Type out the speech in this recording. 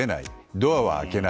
ドアは開けない。